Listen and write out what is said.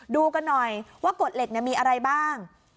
ดูกันหน่อยว่ากฎเหล็กมีอะไรบ้าง